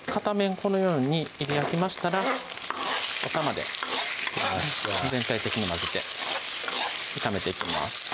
このように焼きましたらお玉で全体的に混ぜて炒めていきます